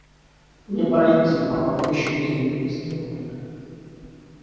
Мне пора идти, пока вы еще денег не истребовали.